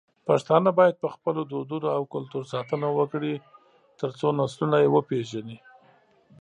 پښتانه بايد په خپلو دودونو او کلتور ساتنه وکړي، ترڅو نسلونه يې وپېژني.